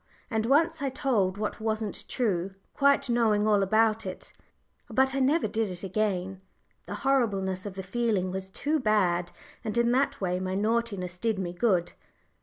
And once I told what wasn't true, quite knowing all about it. But I never did it again. The horribleness of the feeling was too bad, and in that way my naughtiness did me good!